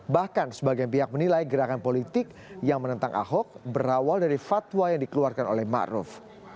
bahkan sebagian pihak menilai gerakan politik yang menentang ahok berawal dari fatwa yang dikeluarkan oleh ⁇ maruf ⁇